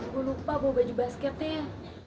gue lupa bawa baju basket nih